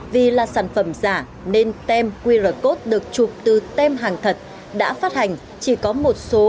vì là sản phẩm giả nên tem qr code được chụp từ tem hàng thật đã phát hành chỉ có một số